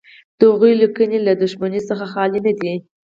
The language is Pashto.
د هغوی لیکنې له دښمنۍ څخه خالي نه دي.